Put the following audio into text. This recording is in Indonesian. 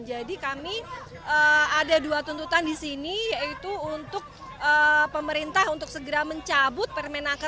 jadi kami ada dua tuntutan di sini yaitu untuk pemerintah untuk segera mencabut permenaker